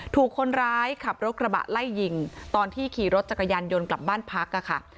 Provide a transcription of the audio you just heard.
ถูกคนร้ายขับรถกระบะไล่ยิงตอนที่ขี่รถจักรยานยนต์กลับบ้านพักค่ะ